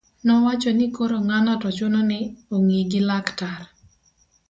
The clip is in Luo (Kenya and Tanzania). nowacho ni koro ng'ano to chuno ni ong'i gi laktar